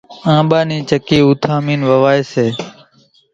آنٻا نِي چڪِي اُوٿامينَ ووائيَ سي۔